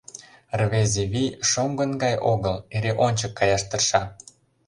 Рвезе вий шоҥгын гай огыл, эре ончык каяш тырша.